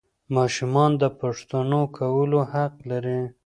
ماشومان د پوښتنو کولو حق لري